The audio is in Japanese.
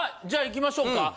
じゃあいきましょうか。